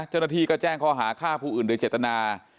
เจ้าหน้าที่ก็แจ้งข้อหาฆ่าผู้อื่นโดยเจตนา